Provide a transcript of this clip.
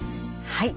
はい。